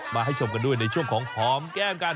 ให้ชมกันด้วยในช่วงของหอมแก้มกัน